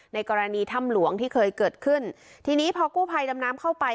ในกรณีถ้ำหลวงที่เคยเกิดขึ้นทีนี้พอกู้ภัยดำน้ำเข้าไป